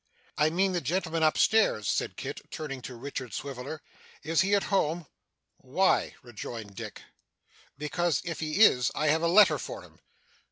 'I mean the gentleman up stairs,' said Kit, turning to Richard Swiveller. 'Is he at home?' 'Why?' rejoined Dick. 'Because if he is, I have a letter for him.